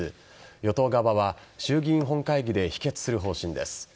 与党側は衆議院本会議で否決する方針です。